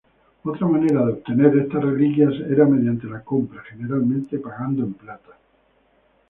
Otra manera de obtener estas reliquias era mediante la compra, generalmente pagando en plata.